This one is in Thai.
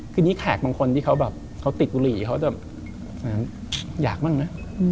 ทีนี้แขกบางคนที่เขาแบบเขาติดบุหรี่เขาจะอยากบ้างนะ